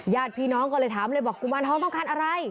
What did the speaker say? ญาติพี่น้องก็เลยถามเลยบอกกุมารทองต้องการอะไร